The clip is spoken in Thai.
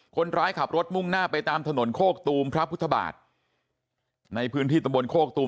คนร้ายขับรถมุ่งหน้าไปตามถนนโคกตูมพระพุทธบาทในพื้นที่ตำบลโคกตูม